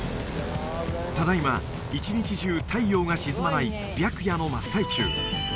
ただ今一日中太陽が沈まない白夜の真っ最中